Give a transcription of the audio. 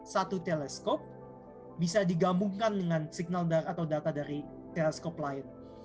satu teleskop bisa digabungkan dengan signalder atau data dari teleskop lain